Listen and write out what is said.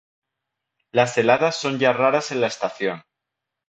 Las heladas son ya raras en la estación.